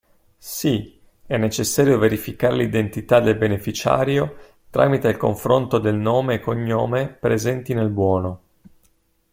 Sì, è necessario verificare l'identità del beneficiario tramite il confronto del nome e cognome presenti nel buono.